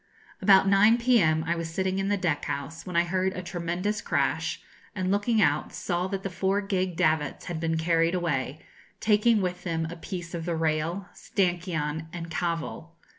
About 9 p.m. I was sitting in the deck house, when I heard a tremendous crash, and, looking out, saw that the fore gig davits had been carried away, taking with them a piece of the rail, stanchion, and cavil.